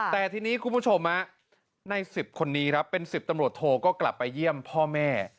แต่ทีนี้คุณผู้ชมใน๑๐คนนี้ครับเป็น๑๐ตำรวจโทก็กลับไปเยี่ยมพ่อแม่